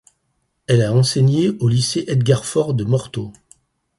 Elle a enseigné au lycée Edgar Faure de Morteau.